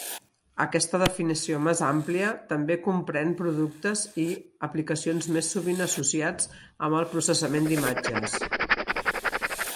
Aquesta definició més àmplia també comprèn productes i aplicacions més sovint associats amb el processament d'imatges.